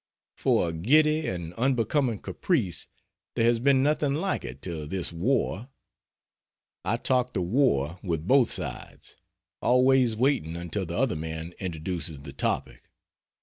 For a giddy and unbecoming caprice there has been nothing like it till this war. I talk the war with both sides always waiting until the other man introduces the topic.